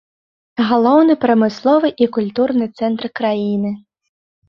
Галоўны прамысловы і культурны цэнтр краіны.